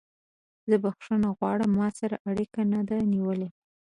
زه بخښنه غواړم ما سره اړیکه نه ده نیولې.